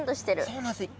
そうなんですよ。